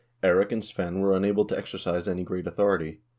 Eirik and Svein were unable to exercise any great authority.